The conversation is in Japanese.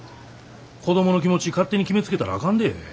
子供の気持ち勝手に決めつけたらあかんで。